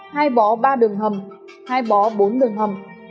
hai bó ba đường hầm hai bó bốn đường hầm